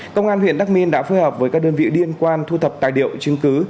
công an huyện đắc minh đã phối hợp với các đơn vị liên quan thu thập tài liệu chứng cứ